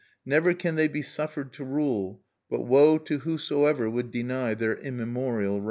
Never can they be suffered to rule; but woe to whosoever would deny their immemorial rights!